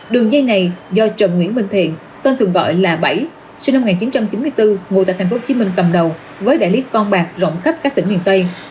đường dây này do trần nguyễn minh thiện tên thường gọi là bảy sinh năm một nghìn chín trăm chín mươi bốn ngụ tại tp hcm cầm đầu với đại lý con bạc rộng khắp các tỉnh miền tây